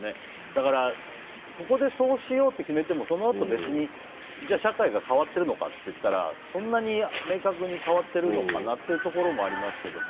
だからそこでそうしようと決めても、そのあとじゃあ社会が変わってるのかっていったらそんなに明確に変わっているのかなというところもありますけど。